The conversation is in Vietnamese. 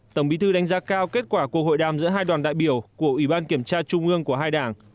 tổng bí thư đánh giá cao kết quả của hội đàm giữa hai đoàn đại biểu của ủy ban kiểm tra trung ương của hai đảng